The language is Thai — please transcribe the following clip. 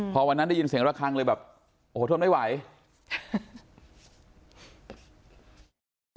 พอวันนั้นได้ยินเสียงระคังเลยแบบโอ้โหทนไม่ไหว